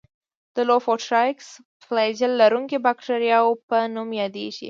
د لوفوټرایکس فلاجیل لرونکو باکتریاوو په نوم یادیږي.